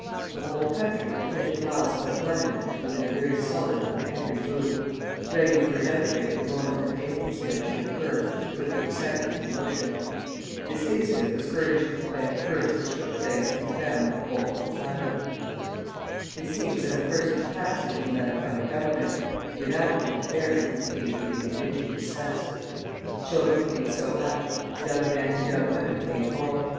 The whole country for fifty miles about London was in a very sullen and angry mood, ready for an outbreak the moment that any incident should occur to put the excitement in motion. This incident was furnished by an occurrence which took place in the family of Walter the Tiler. It seems that a personal tax had been levied by the government, the amount of which varied with the age of the individual assessed. Children paid so much. Young men and young women paid more.